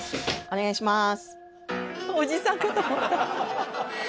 お願いします。